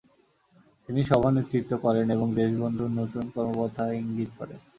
তিনি সভানেতৃত্ব করেন এবং দেশবন্ধুর নতুন কর্মপন্থা ইঙ্গিত করেন।